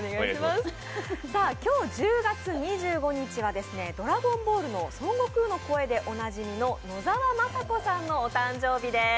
今日１０月２５日は「ドラゴンボール」の孫悟空の声でおなじみの野沢雅子さんのお誕生日です。